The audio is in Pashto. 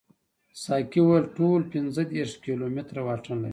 ساقي وویل ټول پنځه دېرش کیلومتره واټن لري.